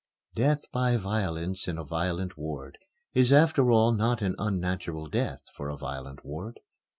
Death by violence in a violent ward is after all not an unnatural death for a violent ward.